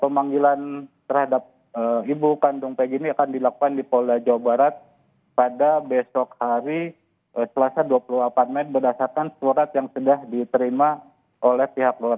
pemanggilan terhadap ibu kandung pg ini akan dilakukan di polda jawa barat pada besok hari selasa dua puluh delapan mei berdasarkan surat yang sudah diterima oleh pihak luar